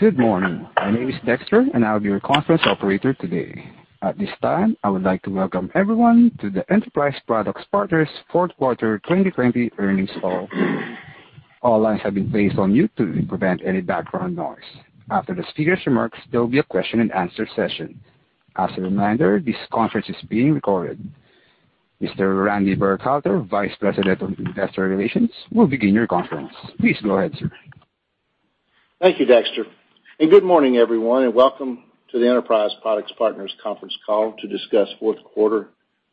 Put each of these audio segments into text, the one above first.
Good morning. My name is Dexter, and I'll be your conference operator today. At this time, I would like to welcome everyone to the Enterprise Products Partners fourth quarter 2020 earnings call. All lines have been placed on mute to prevent any background noise. After the speakers' remarks, there will be a question-and-answer session. As a reminder, this conference is being recorded. Mr. Randy Burkhalter, Vice President of Investor Relations, will begin your conference. Please go ahead, sir. Thank you, Dexter. Good morning, everyone, and welcome to the Enterprise Products Partners conference call to discuss fourth quarter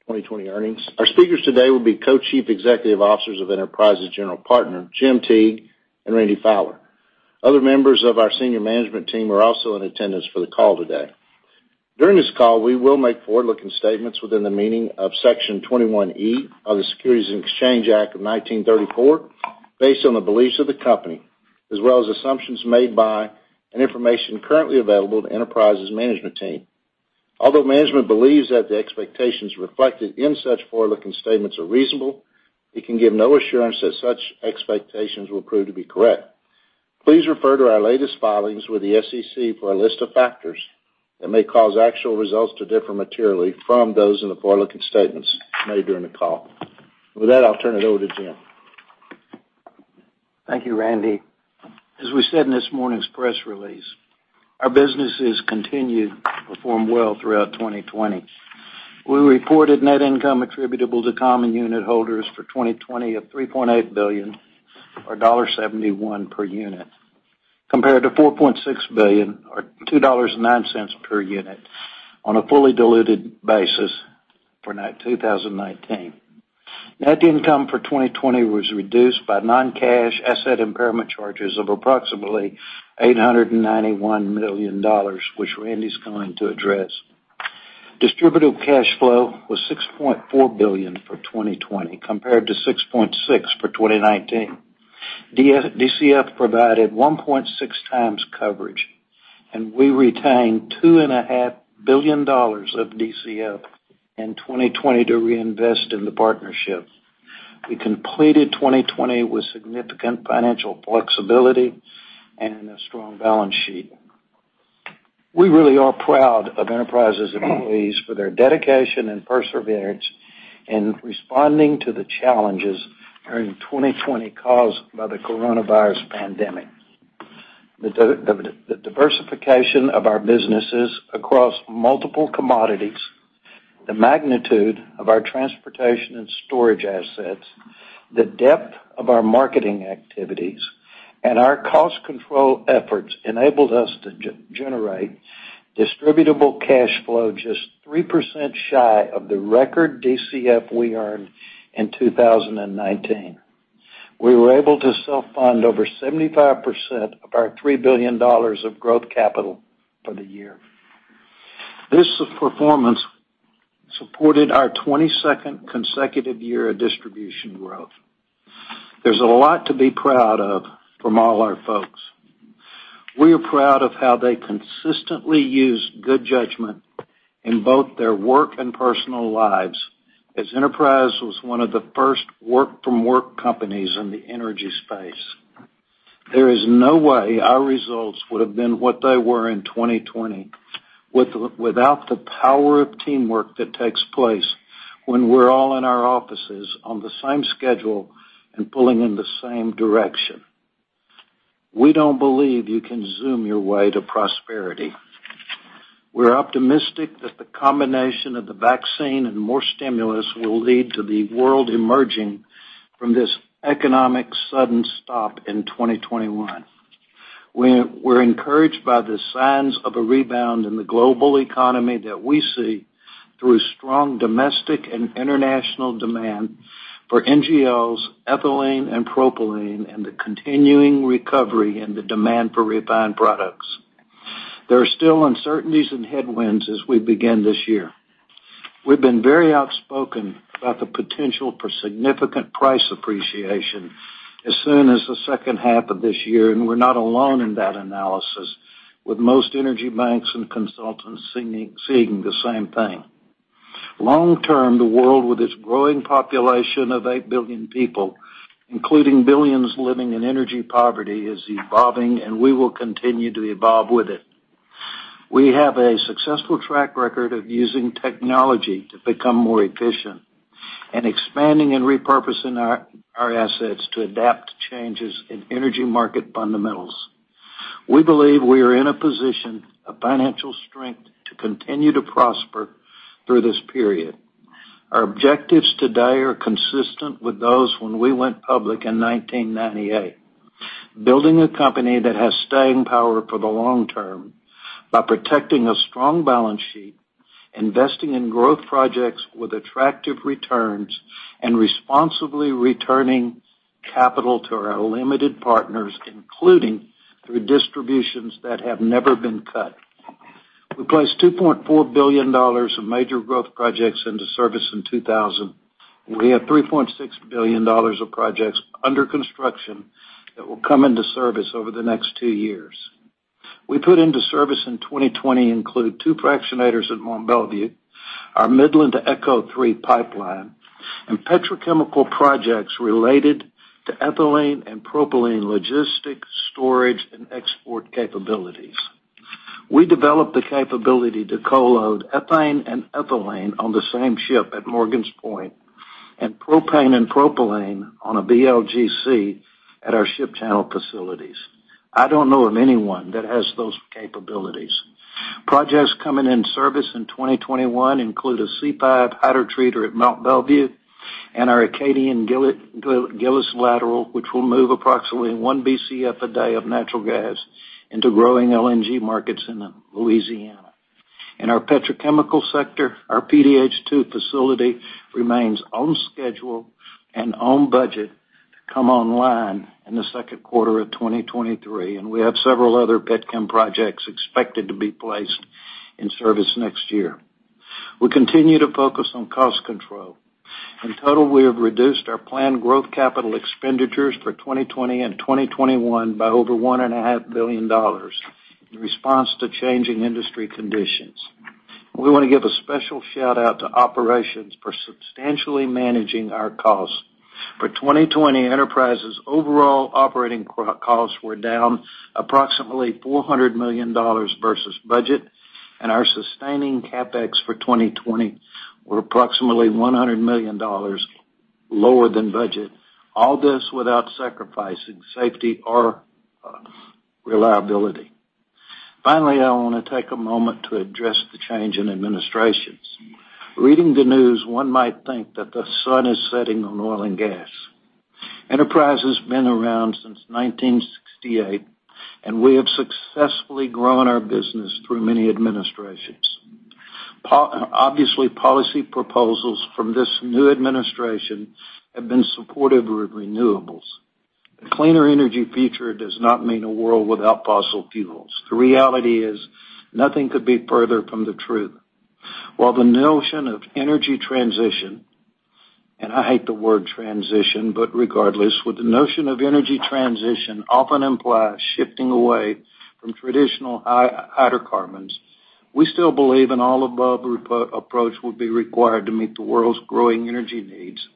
2020 earnings. Our speakers today will be Co-Chief Executive Officers of Enterprise's General Partner, Jim Teague and Randy Fowler. Other members of our senior management team are also in attendance for the call today. During this call, we will make forward-looking statements within the meaning of Section 21E of the Securities Exchange Act of 1934, based on the beliefs of the company, as well as assumptions made by and information currently available to Enterprise's management team. Although management believes that the expectations reflected in such forward-looking statements are reasonable, it can give no assurance that such expectations will prove to be correct. Please refer to our latest filings with the SEC for a list of factors that may cause actual results to differ materially from those in the forward-looking statements made during the call. With that, I'll turn it over to Jim. Thank you, Randy. As we said in this morning's press release, our businesses continued to perform well throughout 2020. We reported net income attributable to common unit holders for 2020 of $3.8 billion, or $1.71 per unit, compared to $4.6 billion or $2.09 per unit on a fully diluted basis for 2019. Net income for 2020 was reduced by non-cash asset impairment charges of approximately $891 million, which Randy's going to address. Distributable cash flow was $6.4 billion for 2020 compared to $6.6 billion for 2019. DCF provided 1.6x coverage, and we retained $2.5 billion of DCF in 2020 to reinvest in the partnership. We completed 2020 with significant financial flexibility and a strong balance sheet. We really are proud of Enterprise's employees for their dedication and perseverance in responding to the challenges during 2020 caused by the coronavirus pandemic. The diversification of our businesses across multiple commodities, the magnitude of our transportation and storage assets, the depth of our marketing activities, and our cost control efforts enabled us to generate distributable cash flow just 3% shy of the record DCF we earned in 2019. We were able to self-fund over 75% of our $3 billion of growth capital for the year. This performance supported our 22nd consecutive year of distribution growth. There's a lot to be proud of from all our folks. We are proud of how they consistently use good judgment in both their work and personal lives, as Enterprise was one of the first work from work companies in the energy space. There is no way our results would've been what they were in 2020 without the power of teamwork that takes place when we're all in our offices on the same schedule and pulling in the same direction. We don't believe you can Zoom your way to prosperity. We're optimistic that the combination of the vaccine and more stimulus will lead to the world emerging from this economic sudden stop in 2021. We're encouraged by the signs of a rebound in the global economy that we see through strong domestic and international demand for NGLs, ethylene and propylene, and the continuing recovery in the demand for refined products. There are still uncertainties and headwinds as we begin this year. We've been very outspoken about the potential for significant price appreciation as soon as the second half of this year, and we're not alone in that analysis, with most energy banks and consultants seeing the same thing. Long-term, the world, with its growing population of 8 billion people, including billions living in energy poverty, is evolving, and we will continue to evolve with it. We have a successful track record of using technology to become more efficient and expanding and repurposing our assets to adapt to changes in energy market fundamentals. We believe we are in a position of financial strength to continue to prosper through this period. Our objectives today are consistent with those when we went public in 1998: building a company that has staying power for the long term by protecting a strong balance sheet, investing in growth projects with attractive returns, and responsibly returning capital to our limited partners, including through distributions that have never been cut. We placed $2.4 billion of major growth projects into service in 2000, and we have $3.6 billion of projects under construction that will come into service over the next two years. We put into service in 2020 include two fractionators at Mont Belvieu, our Midland-to-ECHO 3 Pipeline, and petrochemical projects related to ethylene and propylene logistics, storage, and export capabilities. We developed the capability to co-load ethane and ethylene on the same ship at Morgan's Point, and propane and propylene on a VLGC at our ship channel facilities. I don't know of anyone that has those capabilities. Projects coming in service in 2021 include a C5 hydrotreater at Mont Belvieu and our Acadian Gillis Lateral, which will move approximately 1 Bcf a day of natural gas into growing LNG markets in Louisiana. In our petrochemical sector, our PDH 2 facility remains on schedule and on budget to come online in the second quarter of 2023. We have several other petchem projects expected to be placed in service next year. We continue to focus on cost control. In total, we have reduced our planned growth capital expenditures for 2020 and 2021 by over $1.5 billion in response to changing industry conditions. We want to give a special shout-out to operations for substantially managing our costs. For 2020, Enterprise's overall operating costs were down approximately $400 million versus budget, and our sustaining CapEx for 2020 were approximately $100 million lower than budget. All this without sacrificing safety or reliability. Finally, I want to take a moment to address the change in administrations. Reading the news, one might think that the sun is setting on oil and gas. Enterprise has been around since 1968, and we have successfully grown our business through many administrations. Obviously, policy proposals from this new administration have been supportive of renewables. A cleaner energy future does not mean a world without fossil fuels. The reality is nothing could be further from the truth. While the notion of energy transition, and I hate the word transition, but regardless, with the notion of energy transition often implies shifting away from traditional hydrocarbons, we still believe an all above approach will be required to meet the world's growing energy needs.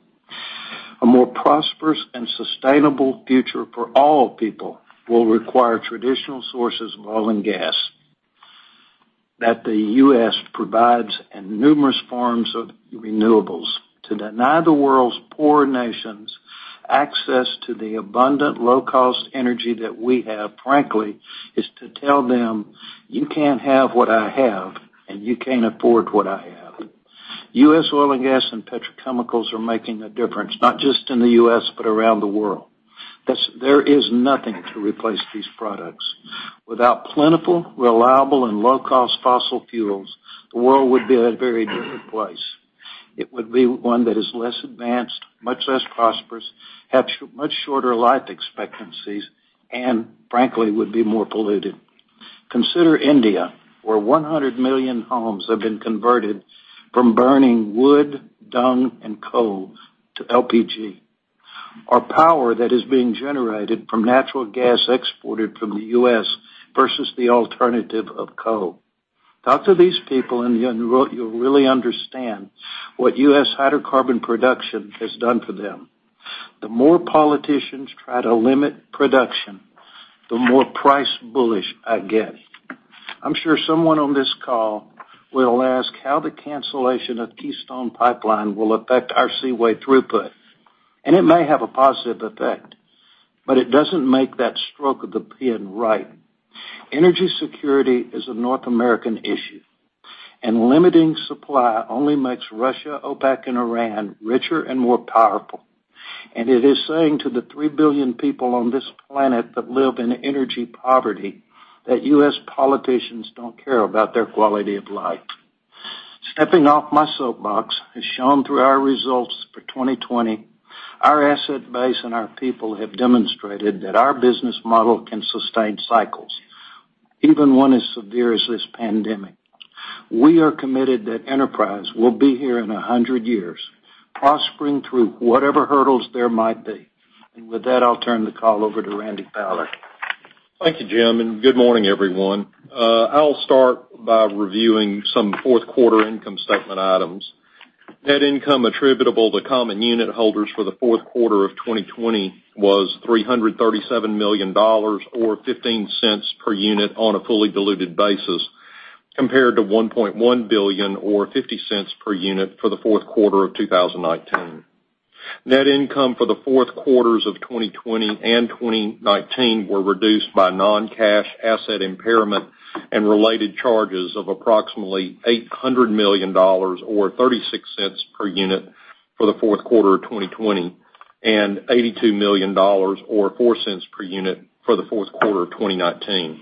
A more prosperous and sustainable future for all people will require traditional sources of oil and gas that the U.S. provides in numerous forms of renewables. To deny the world's poor nations access to the abundant, low-cost energy that we have, frankly, is to tell them, you can't have what I have, and you can't afford what I have. U.S. oil and gas and petrochemicals are making a difference, not just in the U.S., but around the world. There is nothing to replace these products. Without plentiful, reliable, and low-cost fossil fuels, the world would be a very different place. It would be one that is less advanced, much less prosperous, have much shorter life expectancies, and frankly, would be more polluted. Consider India, where 100 million homes have been converted from burning wood, dung, and coal to LPG. Or power that is being generated from natural gas exported from the U.S. versus the alternative of coal. Talk to these people and you'll really understand what U.S. hydrocarbon production has done for them. The more politicians try to limit production, the more price bullish I get. I'm sure someone on this call will ask how the cancelation of Keystone Pipeline will affect our Seaway throughput. It may have a positive effect, but it doesn't make that stroke of the pen right. Energy security is a North American issue, and limiting supply only makes Russia, OPEC, and Iran richer and more powerful. It is saying to the 3 billion people on this planet that live in energy poverty that U.S. politicians don't care about their quality of life. Stepping off my soapbox, as shown through our results for 2020, our asset base and our people have demonstrated that our business model can sustain cycles, even one as severe as this pandemic. We are committed that Enterprise will be here in 100 years, prospering through whatever hurdles there might be. With that, I'll turn the call over to Randy Fowler. Thank you, Jim, and good morning, everyone. I'll start by reviewing some fourth quarter income statement items. Net income attributable to common unit holders for the fourth quarter of 2020 was $337 million, or $0.15 per unit on a fully diluted basis, compared to $1.1 billion or $0.50 per unit for the fourth quarter of 2019. Net income for the fourth quarters of 2020 and 2019 were reduced by non-cash asset impairment and related charges of approximately $800 million, or $0.36 per unit for the fourth quarter of 2020, and $82 million or $0.04 per unit for the fourth quarter of 2019.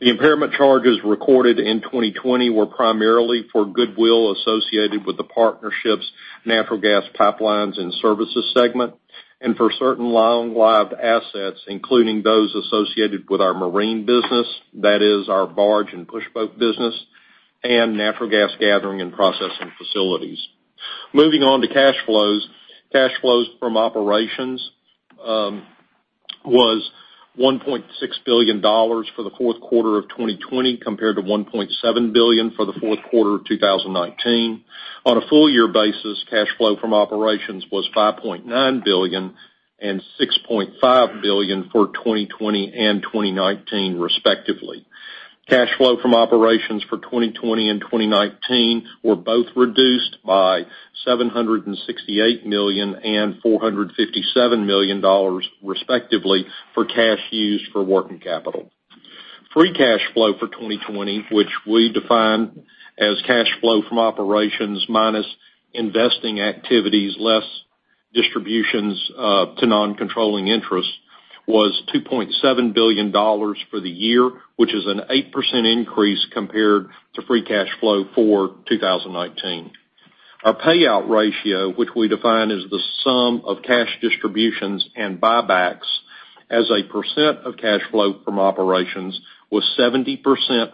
The impairment charges recorded in 2020 were primarily for goodwill associated with the partnership's natural gas pipelines and services segment, and for certain long-lived assets, including those associated with our marine business, that is our barge and pushboat business, and natural gas gathering and processing facilities. Moving on to cash flows. Cash flows from operations was $1.6 billion for the fourth quarter of 2020, compared to $1.7 billion for the fourth quarter of 2019. On a full year basis, cash flow from operations was $5.9 billion and $6.5 billion for 2020 and 2019, respectively. Cash flow from operations for 2020 and 2019 were both reduced by $768 million and $457 million, respectively, for cash used for working capital. Free cash flow for 2020, which we define as cash flow from operations minus investing activities, less distributions to non-controlling interests, was $2.7 billion for the year, which is an 8% increase compared to free cash flow for 2019. Our payout ratio, which we define as the sum of cash distributions and buybacks as a percent of cash flow from operations, was 70%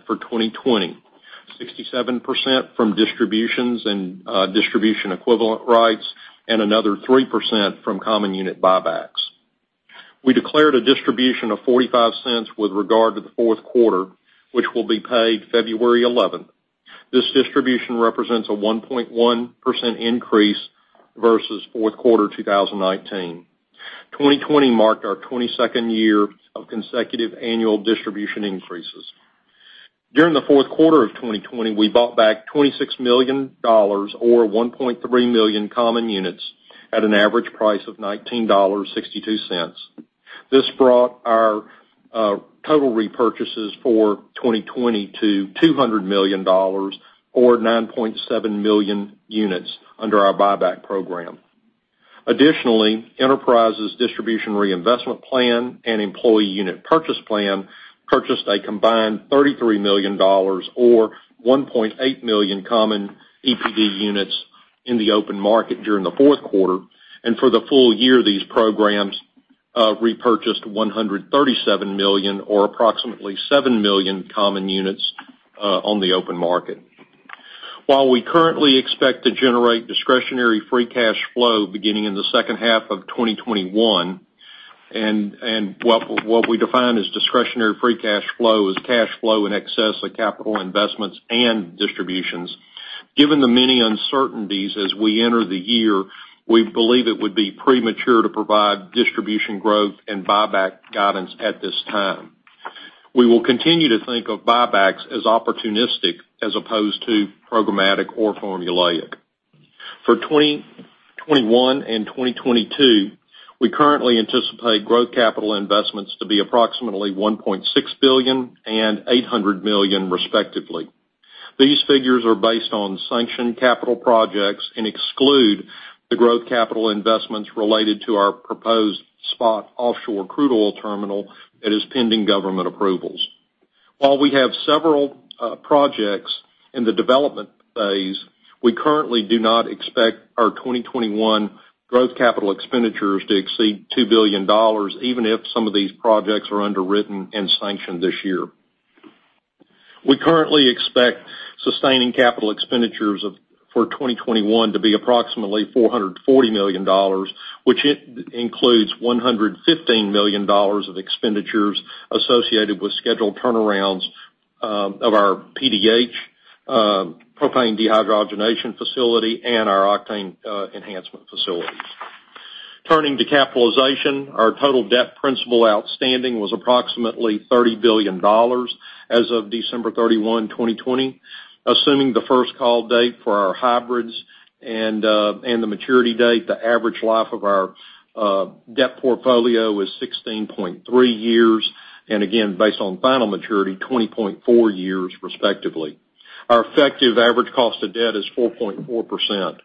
for 2020, 67% from distributions and distribution equivalent rights, and another 3% from common unit buybacks. We declared a distribution of $0.45 with regard to the fourth quarter, which will be paid February 11th. This distribution represents a 1.1% increase versus fourth quarter 2019. 2020 marked our 22nd year of consecutive annual distribution increases. During the fourth quarter of 2020, we bought back $26 million, or 1.3 million common units at an average price of $19.62. This brought our total repurchases for 2020 to $200 million, or 9.7 million units under our buyback program. Enterprise's distribution reinvestment plan and employee unit purchase plan purchased a combined $33 million or 1.8 million common EPD units in the open market during the fourth quarter. For the full year, these programs repurchased $137 million or approximately 7 million common units on the open market. While we currently expect to generate discretionary free cash flow beginning in the second half of 2021—and what we define as discretionary free cash flow is cash flow in excess of capital investments and distributions—given the many uncertainties as we enter the year, we believe it would be premature to provide distribution growth and buyback guidance at this time. We will continue to think of buybacks as opportunistic as opposed to programmatic or formulaic. For 2021 and 2022, we currently anticipate growth capital investments to be approximately $1.6 billion and $800 million, respectively. These figures are based on sanctioned capital projects and exclude the growth capital investments related to our proposed SPOT offshore crude oil terminal that is pending government approvals. While we have several projects in the development phase, we currently do not expect our 2021 growth capital expenditures to exceed $2 billion, even if some of these projects are underwritten and sanctioned this year. We currently expect sustaining capital expenditures for 2021 to be approximately $440 million, which includes $115 million of expenditures associated with scheduled turnarounds of our PDH, propane dehydrogenation facility, and our octane enhancement facilities. Turning to capitalization, our total debt principal outstanding was approximately $30 billion as of December 31, 2020. Assuming the first call date for our hybrids and the maturity date, the average life of our debt portfolio was 16.3 years, and again, based on final maturity, 20.4 years, respectively. Our effective average cost of debt is 4.4%.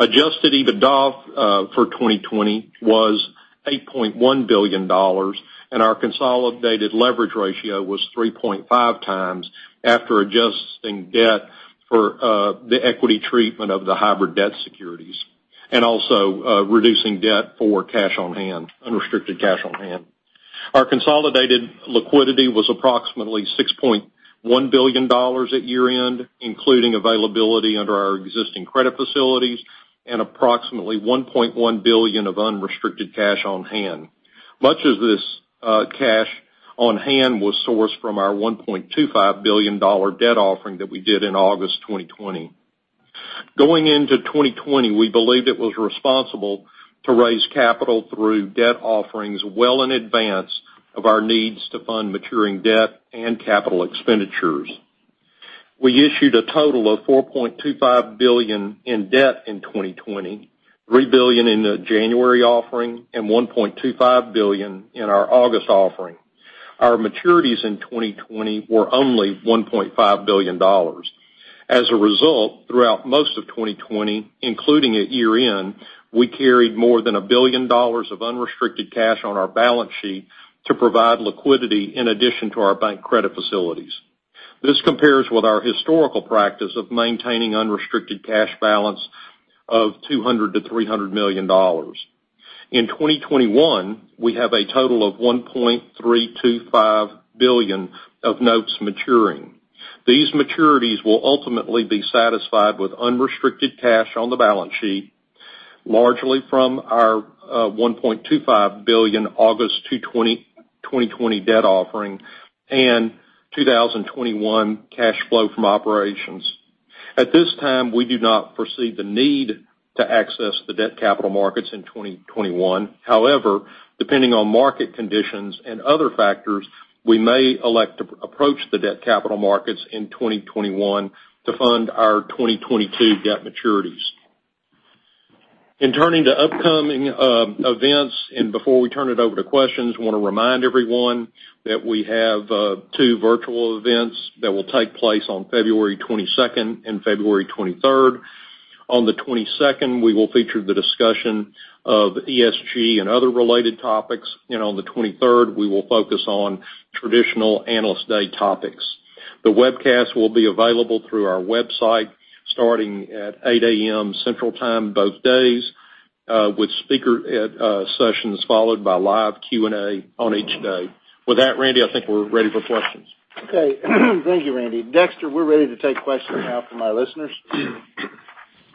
Adjusted EBITDA for 2020 was $8.1 billion, and our consolidated leverage ratio was 3.5x after adjusting debt for the equity treatment of the hybrid debt securities, and also reducing debt for unrestricted cash on-hand. Our consolidated liquidity was approximately $6.1 billion at year end, including availability under our existing credit facilities and approximately $1.1 billion of unrestricted cash on-hand. Much of this cash on-hand was sourced from our $1.25 billion debt offering that we did in August 2020. Going into 2020, we believed it was responsible to raise capital through debt offerings well in advance of our needs to fund maturing debt and capital expenditures. We issued a total of $4.25 billion in debt in 2020, $3 billion in the January offering and $1.25 billion in our August offering. Our maturities in 2020 were only $1.5 billion. Throughout most of 2020, including at year end, we carried more than $1 billion of unrestricted cash on our balance sheet to provide liquidity in addition to our bank credit facilities. This compares with our historical practice of maintaining unrestricted cash balance of $200 million-$300 million. In 2021, we have a total of $1.325 billion of notes maturing. These maturities will ultimately be satisfied with unrestricted cash on the balance sheet, largely from our $1.25 billion August 2020 debt offering and 2021 cash flow from operations. At this time, we do not foresee the need to access the debt capital markets in 2021. However, depending on market conditions and other factors, we may elect to approach the debt capital markets in 2021 to fund our 2022 debt maturities. Before we turn it over to questions, I want to remind everyone that we have two virtual events that will take place on February 22nd and February 23rd. On the 22nd, we will feature the discussion of ESG and other related topics. On the 23rd, we will focus on traditional Analyst Day topics. The webcast will be available through our website starting at 8:00 A.M. Central Time both days, with speaker sessions followed by live Q&A on each day. With that, Randy, I think we're ready for questions. Okay. Thank you, Randy. Dexter, we're ready to take questions now from our listeners.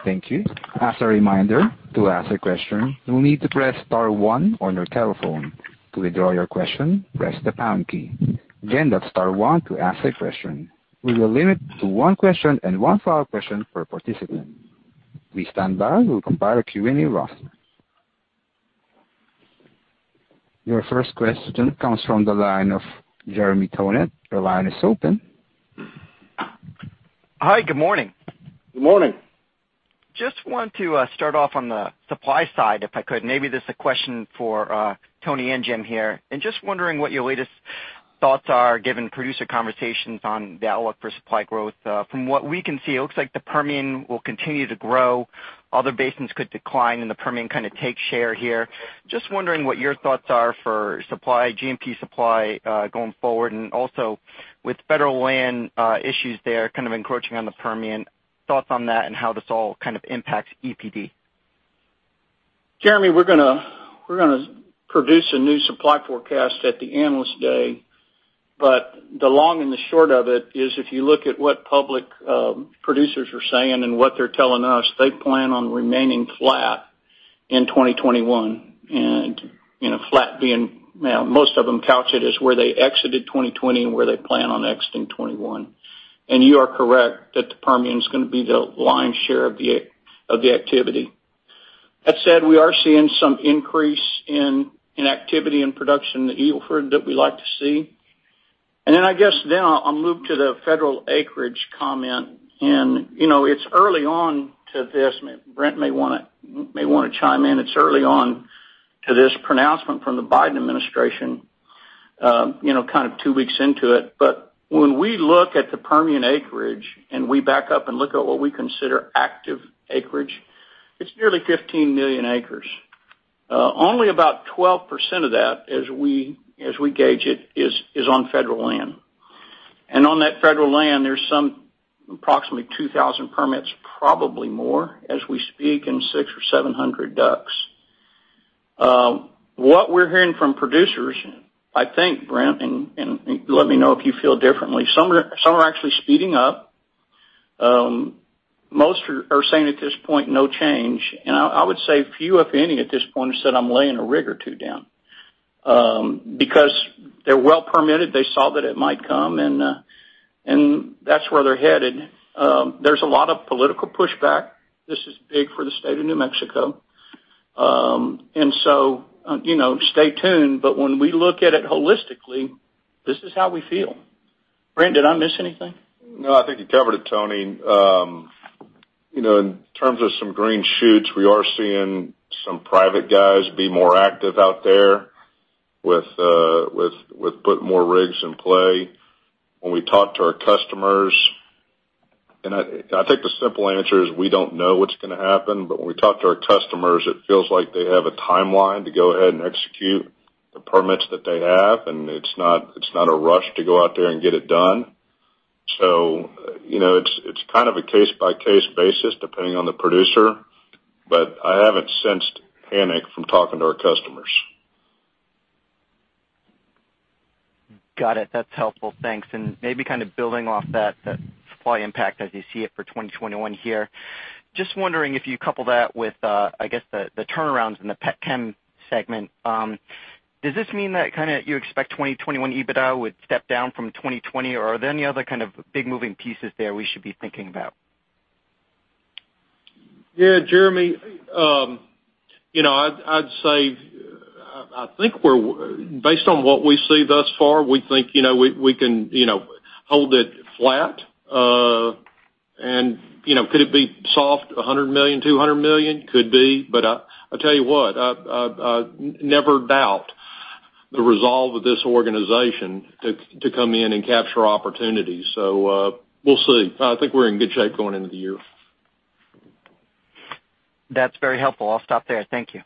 Thank you. As a reminder, to ask a question, you'll need to press star one on your telephone. To withdraw your question, press the pound key. Again, that's star one to ask a question. We will limit to one question and one follow-up question per participant. Please stand by, we will compile a Q&A roster. Your first question comes from the line of Jeremy Tonet. Your line is open. Hi. Good morning. Good morning. Just want to start off on the supply side, if I could. Maybe this is a question for Tony and Jim here. Just wondering what your latest thoughts are, given producer conversations on the outlook for supply growth. From what we can see, it looks like the Permian will continue to grow. Other basins could decline, and the Permian kind of take share here. Just wondering what your thoughts are for supply, G&P supply, going forward. Also with federal land issues there kind of encroaching on the Permian, thoughts on that and how this all kind of impacts EPD. Jeremy, we're going to produce a new supply forecast at the Analyst Day. The long and the short of it is, if you look at what public producers are saying and what they're telling us, they plan on remaining flat in 2021. Flat being, most of them couch it as where they exited 2020 and where they plan on exiting 2021. You are correct that the Permian's going to be the lion's share of the activity. That said, we are seeing some increase in activity and production in the Eagle Ford that we like to see. I guess then I'll move to the federal acreage comment. It's early on to this. Brent may want to chime in. It's early on to this pronouncement from the Biden administration, kind of two weeks into it. When we look at the Permian acreage, we back up and look at what we consider active acreage, it's nearly 15 million acres. Only about 12% of that, as we gauge it, is on federal land. On that federal land, there's some approximately 2,000 permits, probably more as we speak, and 600 or 700 DUCs. What we're hearing from producers, I think—Brent, let me know if you feel differently—some are actually speeding up. Most are saying at this point, no change. I would say few, if any, at this point have said, I'm laying a rig or two down. Because they're well-permitted. They saw that it might come, that's where they're headed. There's a lot of political pushback. This is big for the state of New Mexico. Stay tuned. When we look at it holistically, this is how we feel. Brent, did I miss anything? No, I think you covered it, Tony. In terms of some green shoots, we are seeing some private guys be more active out there with putting more rigs in play. I think the simple answer is we don't know what's going to happen, but when we talk to our customers, it feels like they have a timeline to go ahead and execute the permits that they have, and it's not a rush to go out there and get it done. It's kind of a case-by-case basis, depending on the producer. I haven't sensed panic from talking to our customers. Got it. That's helpful. Thanks. Maybe kind of building off that supply impact as you see it for 2021 here. Just wondering if you couple that with, I guess, the turnarounds in the petchem segment. Does this mean that you expect 2021 EBITDA would step down from 2020? Are there any other kind of big moving pieces there we should be thinking about? Jeremy, I'd say based on what we see thus far, we think we can hold it flat. Could it be soft $100 million, $200 million? Could be. I'll tell you what, never doubt the resolve of this organization to come in and capture opportunities. We'll see. I think we're in good shape going into the year. That's very helpful. I'll stop there. Thank you.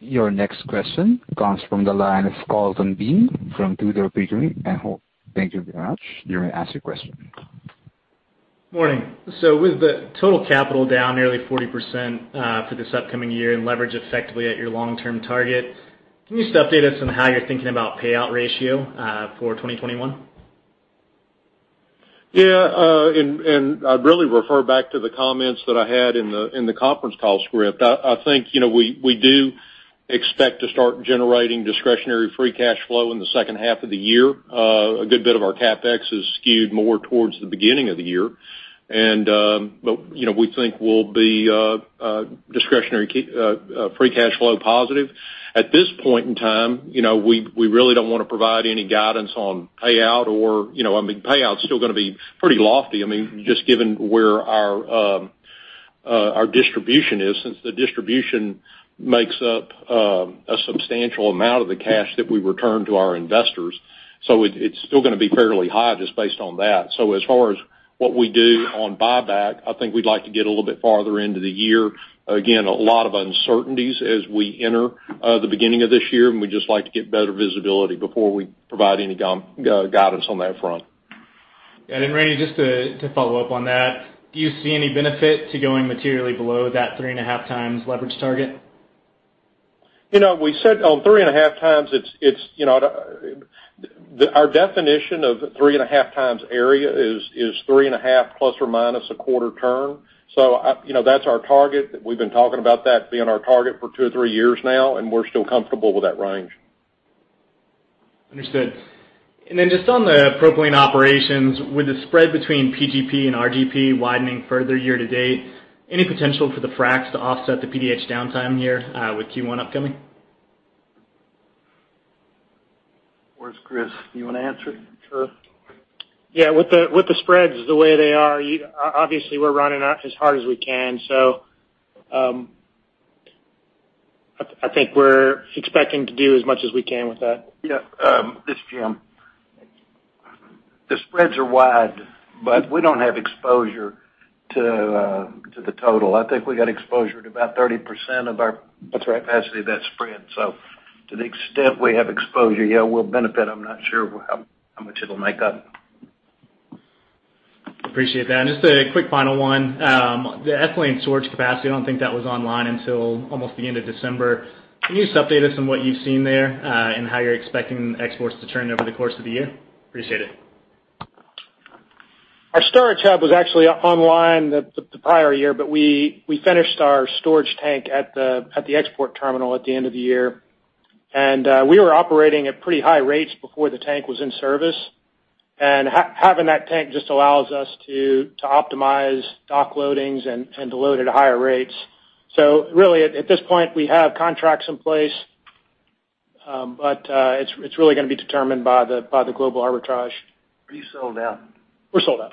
Your next question comes from the line of Colton Bean from Tudor, Pickering, Holt. Thank you very much. You may ask your question. Morning. With the total capital down nearly 40% for this upcoming year and leverage effectively at your long-term target, can you just update us on how you're thinking about payout ratio for 2021? I'd really refer back to the comments that I had in the conference call script. I think, we do expect to start generating discretionary free cash flow in the second half of the year. A good bit of our CapEx is skewed more towards the beginning of the year. We think we'll be discretionary free cash flow positive. At this point in time, we really don't want to provide any guidance on payout. I mean, payout's still gonna be pretty lofty. Just given where our distribution is, since the distribution makes up a substantial amount of the cash that we return to our investors. It's still gonna be fairly high just based on that. As far as what we do on buyback, I think we'd like to get a little bit farther into the year. Again, a lot of uncertainties as we enter the beginning of this year, and we'd just like to get better visibility before we provide any guidance on that front. Randy, just to follow up on that, do you see any benefit to going materially below that 3.5x leverage target? We said on 3.5x, our definition of 3.5x EBITDA is 3.5 ± a quarter turn. That's our target. We've been talking about that being our target for two or three years now, and we're still comfortable with that range. Understood. Then just on the propylene operations, with the spread between PGP and RGP widening further year to date, any potential for the fracs to offset the PDH downtime here, with Q1 upcoming? Where's Chris? Do you wanna answer? Sure. With the spreads the way they are, obviously we're running as hard as we can, so I think we're expecting to do as much as we can with that. This is Jim. The spreads are wide, but we don't have exposure to the total. I think we got exposure to about 30% of our- That's right.... capacity of that spread. To the extent we have exposure, we'll benefit. I'm not sure how much it'll make up. Appreciate that. Just a quick final one. The ethylene storage capacity, I don't think that was online until almost the end of December. Can you just update us on what you've seen there, and how you're expecting exports to turn over the course of the year? Appreciate it. Our storage hub was actually online the prior year, but we finished our storage tank at the export terminal at the end of the year. We were operating at pretty high rates before the tank was in service. Having that tank just allows us to optimize dock loadings and to load at higher rates. Really at this point, we have contracts in place. It's really going to be determined by the global arbitrage. We're sold out. We're sold out.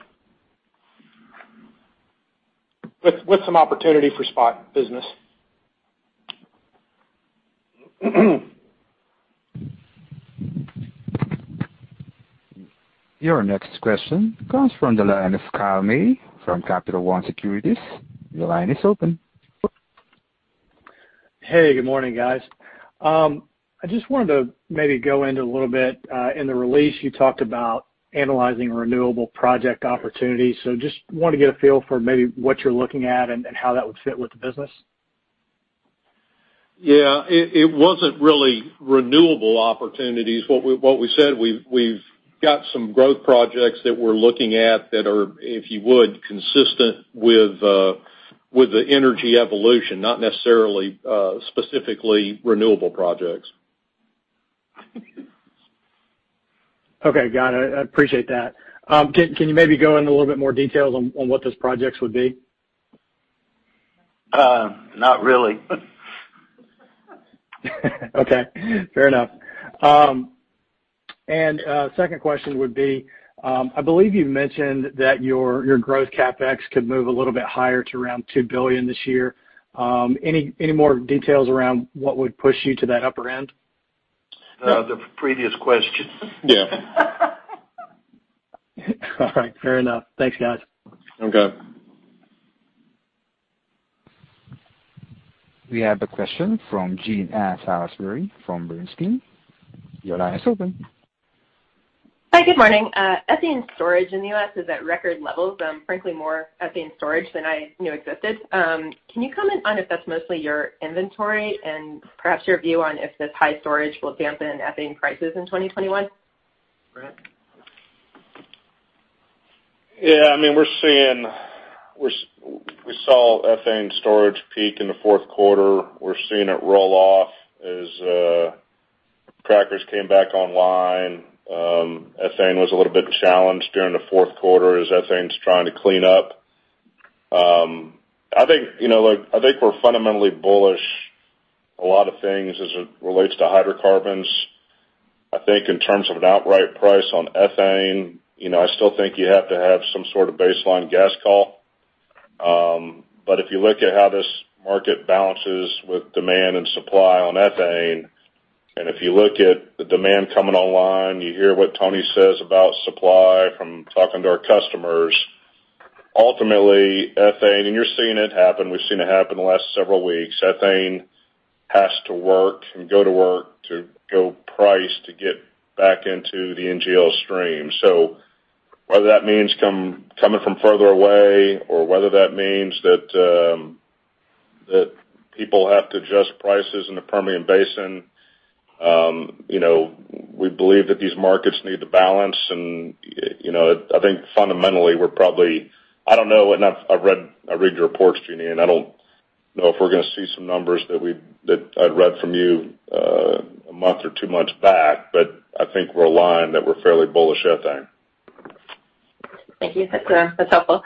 With some opportunity for spot business. Your next question comes from the line of Kyle May from Capital One Securities. Your line is open. Hey, good morning, guys. I just wanted to maybe go into a little bit, in the release you talked about analyzing renewable project opportunities. Just want to get a feel for maybe what you're looking at and how that would fit with the business. It wasn't really renewable opportunities. What we said, we've got some growth projects that we're looking at that are, if you would, consistent with the energy evolution, not necessarily specifically renewable projects. Okay, got it. I appreciate that. Can you maybe go into a little bit more details on what those projects would be? Not really. Okay. Fair enough. Second question would be, I believe you mentioned that your growth CapEx could move a little bit higher to around $2 billion this year. Any more details around what would push you to that upper end? The previous question. All right. Fair enough. Thanks, guys. Okay. We have a question from Jean Ann Salisbury from Bernstein. Your line is open. Hi. Good morning. Ethane storage in the U.S. is at record levels. Frankly, more ethane storage than I knew existed. Can you comment on if that's mostly your inventory? And perhaps your view on, if this high storage will dampen ethane prices in 2021? Brent? We saw ethane storage peak in the fourth quarter. We're seeing it roll off as crackers came back online. Ethane was a little bit challenged during the fourth quarter as ethane's trying to clean up. I think we're fundamentally bullish a lot of things as it relates to hydrocarbons. I think in terms of an outright price on ethane, I still think you have to have some sort of baseline gas call. If you look at how this market balances with demand and supply on ethane, and if you look at the demand coming online, you hear what Tony says about supply from talking to our customers. Ultimately, ethane, and you're seeing it happen, we've seen it happen the last several weeks, ethane has to work and go to work to go price to get back into the NGL stream. Whether that means coming from further away or whether that means that people have to adjust prices in the Permian Basin, we believe that these markets need to balance. I think fundamentally—I don't know, and I've read your reports, Jean Ann, and I don't know if we're going to see some numbers that I'd read from you a month or two months back—but I think we're aligned that we're fairly bullish ethane. Thank you. That's helpful.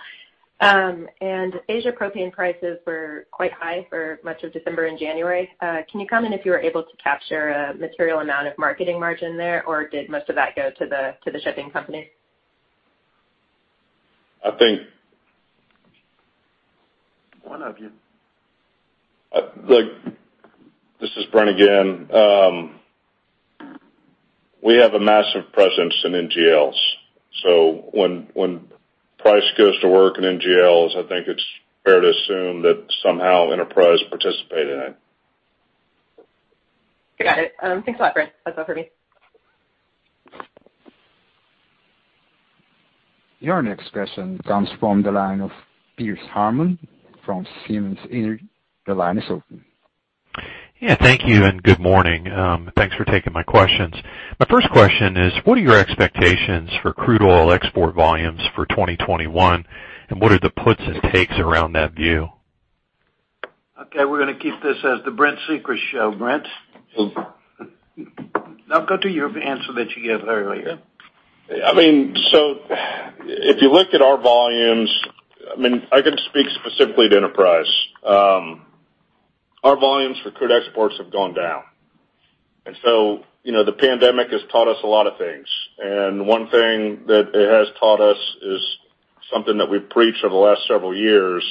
Asia propane prices were quite high for much of December and January. Can you comment if you were able to capture a material amount of marketing margin there, or did most of that go to the shipping company? I think- One of you. This is Brent again. We have a massive presence in NGLs. When price goes to work in NGLs, I think it's fair to assume that somehow Enterprise participated in it. Got it. Thanks a lot, Brent. That's all for me. Your next question comes from the line of Pearce Hammond from Simmons Energy. The line is open. Thank you. Good morning. Thanks for taking my questions. My first question is, what are your expectations for crude oil export volumes for 2021, and what are the puts and takes around that view? Okay, we're going to keep this as the Brent Secret's show. Brent? Now, go to your answer that you gave earlier. If you look at our volumes, I can speak specifically to Enterprise. Our volumes for crude exports have gone down. The pandemic has taught us a lot of things. One thing that it has taught us is something that we've preached for the last several years,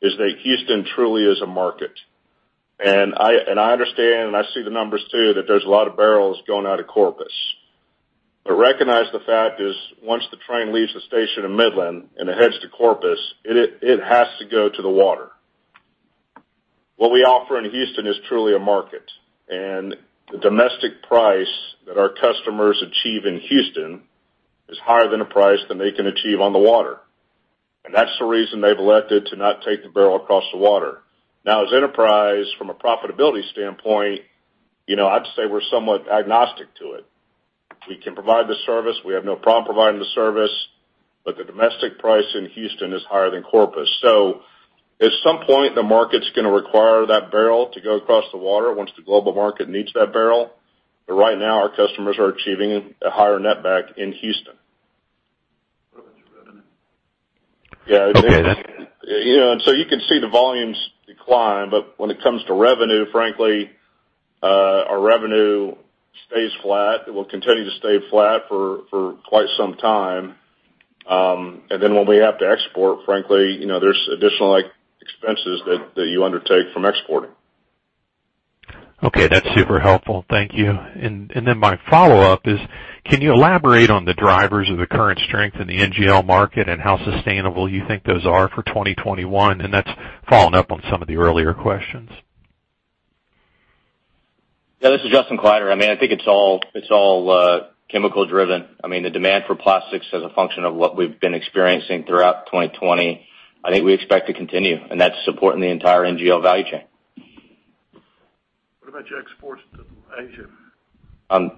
is that Houston truly is a market. I understand, and I see the numbers too, that there's a lot of barrels going out of Corpus. Recognize the fact is, once the train leaves the station in Midland and it heads to Corpus, it has to go to the water. What we offer in Houston is truly a market, and the domestic price that our customers achieve in Houston is higher than a price than they can achieve on the water. That's the reason they've elected to not take the barrel across the water. As Enterprise, from a profitability standpoint, I'd say we're somewhat agnostic to it. We can provide the service. We have no problem providing the service, but the domestic price in Houston is higher than Corpus. At some point, the market's going to require that barrel to go across the water once the global market needs that barrel. Right now, our customers are achieving a higher net back in Houston. What about your revenue? You can see the volumes decline, but when it comes to revenue, frankly, our revenue stays flat. It will continue to stay flat for quite some time. When we have to export, frankly, there is additional expenses that you undertake from exporting. Okay, that's super helpful. Thank you. My follow-up is, can you elaborate on the drivers of the current strength in the NGL market and how sustainable you think those are for 2021? That's following up on some of the earlier questions. This is Justin Kleiderer. I think it's all chemical-driven. The demand for plastics as a function of what we've been experiencing throughout 2020, I think we expect to continue, and that's supporting the entire NGL value chain. What about your exports to Asia? On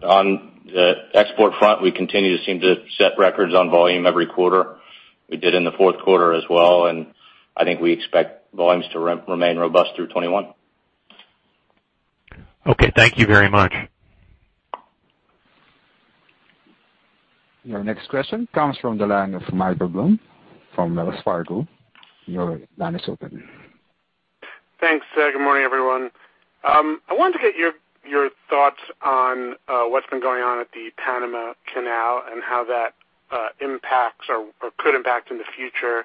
the export front, we continue to seem to set records on volume every quarter. We did in the fourth quarter as well, I think we expect volumes to remain robust through 2021. Thank you very much. Your next question comes from the line of Michael Blum from Wells Fargo. Your line is open. Thanks. Good morning, everyone. I wanted to get your thoughts on what's been going on at the Panama Canal and how that impacts or could impact in the future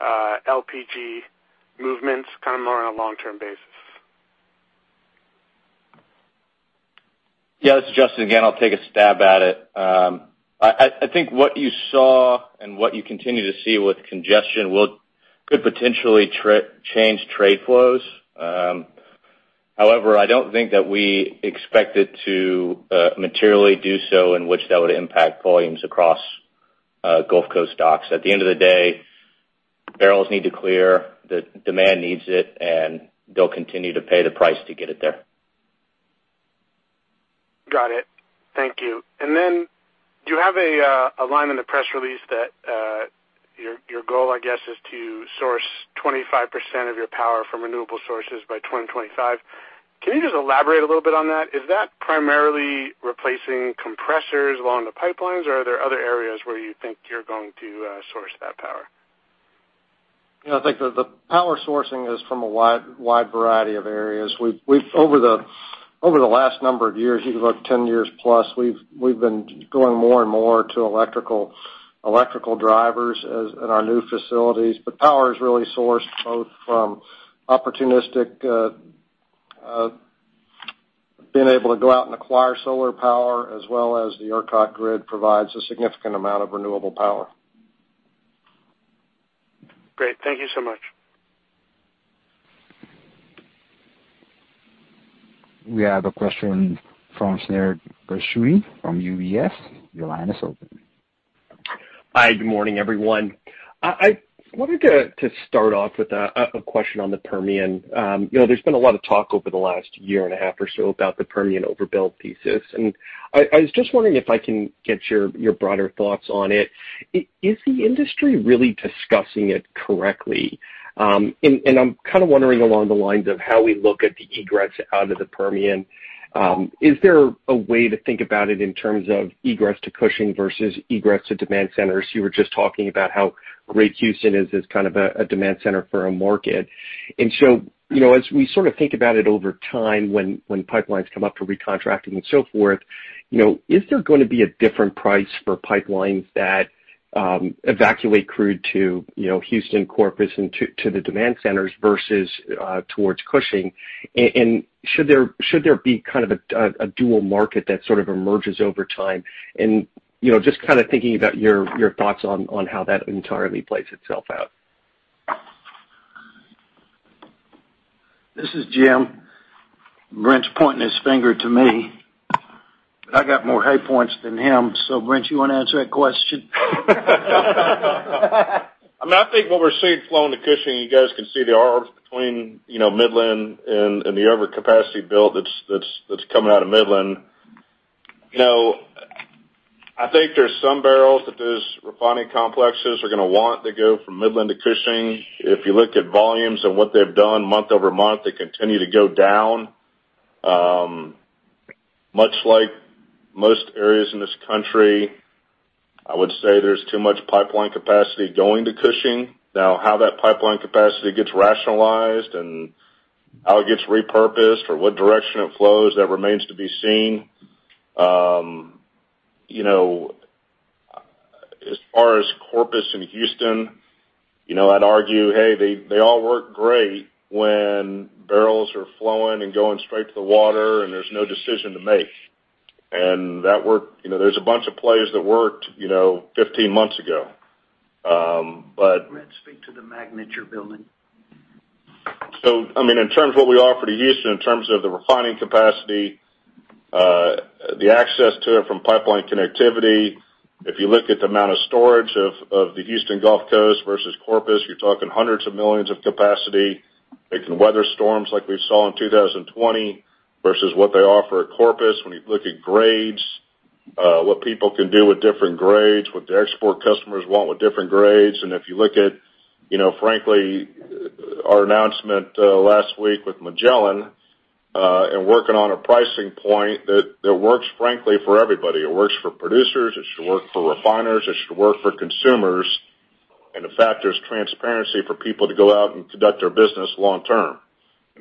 LPG movements kind of more on a long-term basis. This is Justin again. I'll take a stab at it. I think what you saw and what you continue to see with congestion could potentially change trade flows. I don't think that we expect it to materially do so in which that would impact volumes across Gulf Coast docks. At the end of the day, barrels need to clear, the demand needs it, and they'll continue to pay the price to get it there. Got it. Thank you. Do you have a line in the press release that your goal, I guess, is to source 25% of your power from renewable sources by 2025? Can you just elaborate a little bit on that? Is that primarily replacing compressors along the pipelines, or are there other areas where you think you're going to source that power? I think the power sourcing is from a wide variety of areas. Over the last number of years, if you look 10+ years, we've been going more and more to electrical drivers at our new facilities. Power is really sourced both from opportunistic, being able to go out and acquire solar power, as well as the ERCOT grid provides a significant amount of renewable power. Great. Thank you so much. We have a question from Shneur Gershuni from UBS. Your line is open. Hi, good morning, everyone. I wanted to start off with a question on the Permian. There's been a lot of talk over the last year and a half or so about the Permian overbuild thesis. I was just wondering if I can get your broader thoughts on it. Is the industry really discussing it correctly? I'm kind of wondering along the lines of how we look at the egress out of the Permian. Is there a way to think about it in terms of egress to Cushing versus egress to demand centers? You were just talking about how great Houston is as kind of a demand center for a market. As we sort of think about it over time, when pipelines come up for recontracting and so forth, is there going to be a different price for pipelines that evacuate crude to Houston, Corpus, and to the demand centers versus towards Cushing? Should there be kind of a dual market that sort of emerges over time? Just kind of thinking about your thoughts on how that entirely plays itself out. This is Jim. Brent's pointing his finger to me. I got more high points than him. Brent, you want to answer that question? I think what we're seeing flowing to Cushing, you guys can see the arbs between Midland and the overcapacity build that's coming out of Midland. I think there's some barrels that those refining complexes are going to want to go from Midland to Cushing. If you looked at volumes and what they've done month-over-month, they continue to go down. Much like most areas in this country, I would say there's too much pipeline capacity going to Cushing. How that pipeline capacity gets rationalized and how it gets repurposed or what direction it flows, that remains to be seen. As far as Corpus and Houston, I'd argue, hey, they all work great when barrels are flowing and going straight to the water and there's no decision to make. There's a bunch of plays that worked 15 months ago. But, Brent, speak to the magnitude building. In terms of what we offer to Houston, in terms of the refining capacity, the access to it from pipeline connectivity. If you look at the amount of storage of the Houston Gulf Coast versus Corpus, you're talking hundreds of millions of capacity. It can weather storms like we saw in 2020 versus what they offer at Corpus. When you look at grades, what people can do with different grades, what the export customers want with different grades. If you look at, frankly, our announcement last week with Magellan, and working on a pricing point that works, frankly, for everybody. It works for producers, it should work for refiners, it should work for consumers. The fact there's transparency for people to go out and conduct their business long term.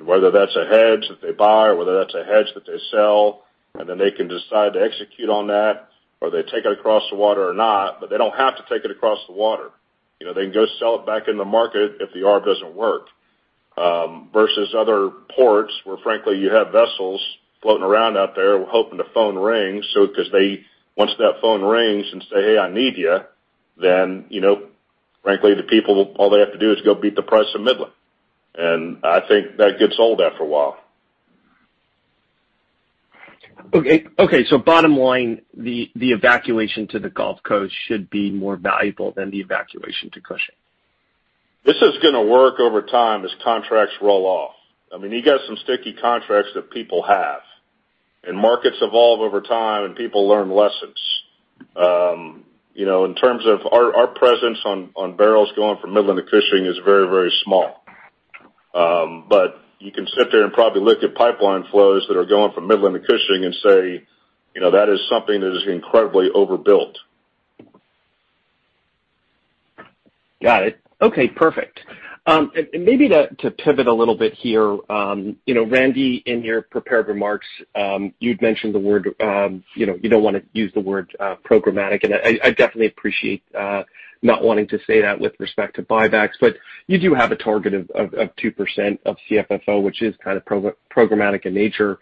Whether that's a hedge that they buy or whether that's a hedge that they sell, they can decide to execute on that or they take it across the water or not, they don't have to take it across the water. They can go sell it back in the market if the arb doesn't work. Versus other ports where frankly, you have vessels floating around out there hoping the phone rings. Because once that phone rings and say, hey, I need you, frankly, the people, all they have to do is go beat the price of Midland. I think that gets old after a while. Okay. Bottom line, the evacuation to the Gulf Coast should be more valuable than the evacuation to Cushing. This is going to work over time as contracts roll off. You got some sticky contracts that people have. Markets evolve over time and people learn lessons. In terms of our presence on barrels going from Midland to Cushing is very small. You can sit there and probably look at pipeline flows that are going from Midland to Cushing and say, that is something that is incredibly overbuilt. Got it. Perfect. Maybe to pivot a little bit here. Randy, in your prepared remarks, you'd mentioned the word, you don't want to use the word programmatic, and I definitely appreciate not wanting to say that with respect to buybacks, but you do have a target of 2% of CFFO, which is kind of programmatic in nature.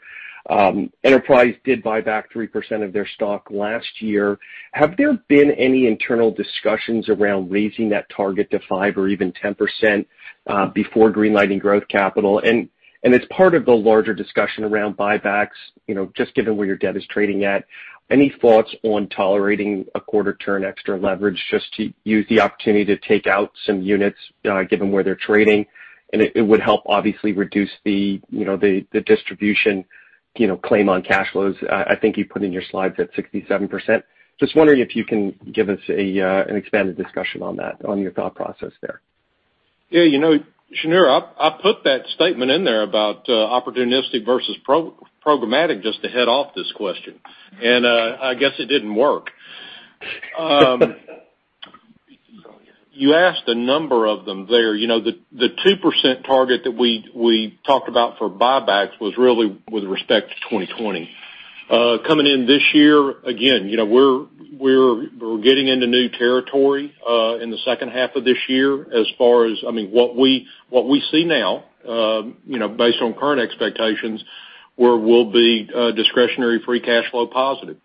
Enterprise did buy back 3% of their stock last year. Have there been any internal discussions around raising that target to 5% or even 10% before greenlighting growth capital? As part of the larger discussion around buybacks, just given where your debt is trading at, any thoughts on tolerating a quarter turn extra leverage just to use the opportunity to take out some units given where they're trading? It would help obviously reduce the distribution claim on cash flows. I think you put in your slides at 67%. Just wondering if you can give us an expanded discussion on that, on your thought process there. Shneur, I put that statement in there about opportunistic versus programmatic just to head off this question. I guess it didn't work. You asked a number of them there. The 2% target that we talked about for buybacks was really with respect to 2020. Coming in this year, again, we're getting into new territory in the second half of this year as far as what we see now, based on current expectations, where we'll be discretionary free cash flow positive.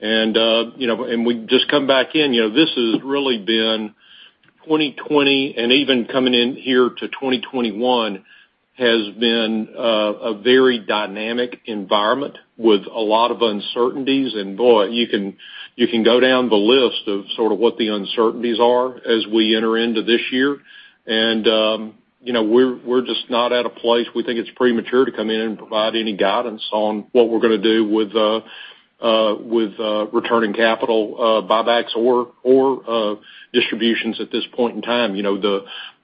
We've just come back in. This has really been 2020, and even coming in here to 2021, has been a very dynamic environment with a lot of uncertainties. Boy, you can go down the list of sort of what the uncertainties are as we enter into this year. We're just not at a place. We think it's premature to come in and provide any guidance on what we're going to do with returning capital buybacks or distributions at this point in time.